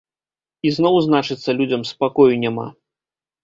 Ізноў, значыцца, людзям спакою няма.